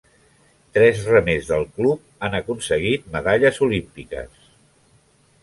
Tres remers del club han aconseguit medalles olímpiques.